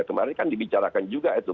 kemarin kan dibicarakan juga itu